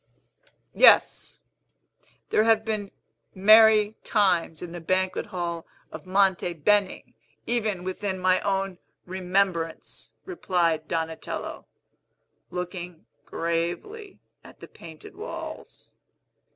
"Yes; there have been merry times in the banquet hall of Monte Beni, even within my own remembrance," replied Donatello, looking gravely at the painted walls.